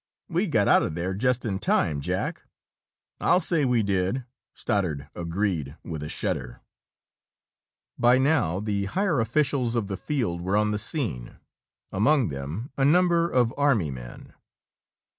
"We got out of there just in time, Jack." "I'll say we did!" Stoddard agreed, with a shudder. By now the higher officials of the field were on the scene, among them a number of Army men.